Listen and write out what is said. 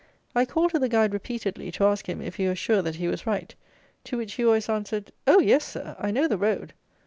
I called to the guide repeatedly to ask him if he was sure that he was right, to which he always answered "Oh! yes, Sir, I know the road."